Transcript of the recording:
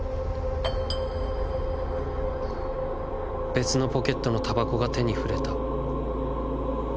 「別のポケットの煙草が手に触れた。